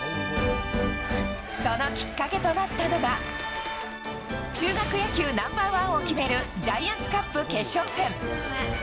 そのきっかけとなったのが中学野球ナンバー１を決めるジャイアンツカップ決勝戦。